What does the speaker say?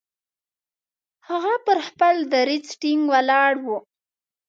هغه پر خپل دریځ ټینګ ولاړ وو.